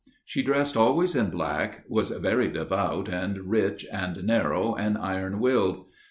She dressed always in black, was very devout and rich and narrow and iron willed.